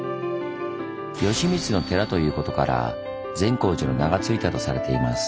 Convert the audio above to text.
「善光の寺」ということから「善光寺」の名が付いたとされています。